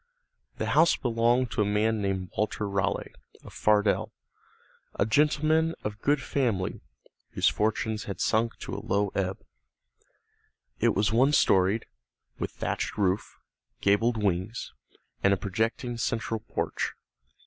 The house belonged to a man named Walter Raleigh, of Fardell, a gentleman of good family whose fortunes had sunk to a low ebb. It was one storied, with thatched roof, gabled wings, and a projecting central porch.